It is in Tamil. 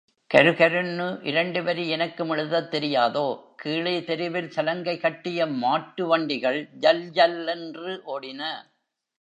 கருகருன்னு இரண்டு வரி எனக்கும் எழுதத் தெரியாதோ? கீழே தெருவில் சலங்கை கட்டிய மாட்டு வண்டிகள் ஜல்ஜல்லென்று ஓடின.